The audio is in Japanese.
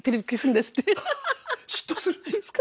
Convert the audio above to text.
嫉妬するんですか？